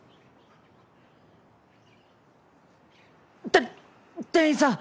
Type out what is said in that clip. て店員さん！